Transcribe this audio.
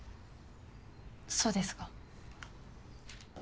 そうですか。